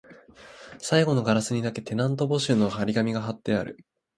最後のガラスにだけ、テナント募集の張り紙が張ってある